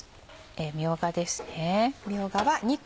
みょうがですね。